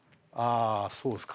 そうですか。